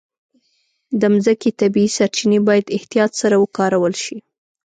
د مځکې طبیعي سرچینې باید احتیاط سره وکارول شي.